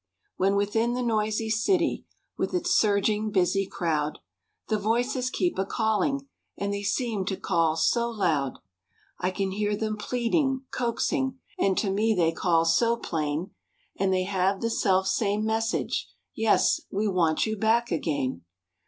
When within the noisy city, With its surging, busy crowd, The voices keep a calling, And they seem to call so loud. I can hear them pleading, coaxing, And to me they call so plain, And they have the self same message, "Yes, we want you back again."